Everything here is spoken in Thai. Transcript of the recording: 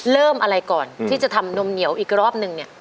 เริ่มอะไรก่อนที่จะทำนมเหนียวอีกรอบนึงเนี่ย